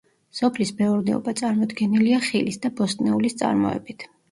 სოფლის მეურნეობა წარმოდგენილია ხილის და ბოსტნეულის წარმოებით.